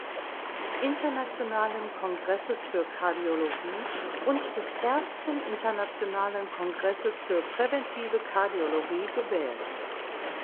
Internationalen Kongresses für Kardiologie und des Ersten Internationalen Kongresses für Präventive Kardiologie gewählt.